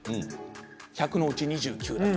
１００のうち２９だと。